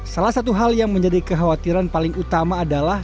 salah satu hal yang menjadi kekhawatiran paling utama adalah